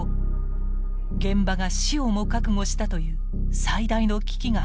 現場が死をも覚悟したという最大の危機が始まります。